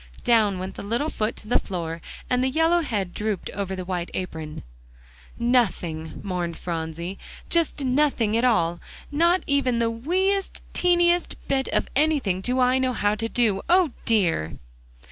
Down went the little foot to the floor, and the yellow head drooped over the white apron. "Nothing," mourned Phronsie, "just nothing at all; not even the wee est teeniest bit of anything do I know how to do. O, dear!"